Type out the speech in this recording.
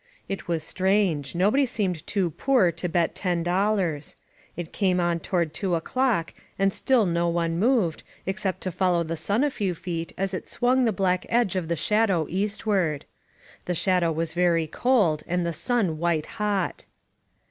'* It was strange; nobody seemed too poor to bet ten dollars. It came on toward two o'clock, and still no one moved, except to follow the sun a few feet as it swung the black edge of the shadow eastward. The shadow was very cold, and the sun white hot.